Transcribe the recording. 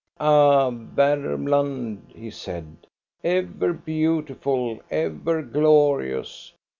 "Ah, Varmland," he said, "ever beautiful, ever glorious